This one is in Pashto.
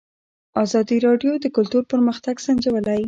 ازادي راډیو د کلتور پرمختګ سنجولی.